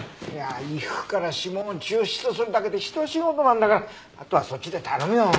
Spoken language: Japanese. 衣服から指紋を抽出するだけでひと仕事なんだからあとはそっちで頼むよ。